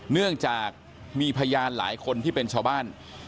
เนื่องจากมีพยานหลายคนที่เป็นชาวบ้าน